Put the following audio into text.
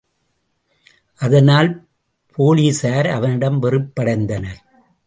அதனால் போலிஸார் அவனிடம் வெறுப்படைந்தனர்.